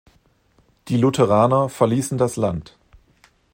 Die Lutheraner verließen das Land.